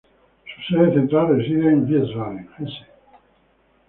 Su sede central reside en Wiesbaden, Hesse.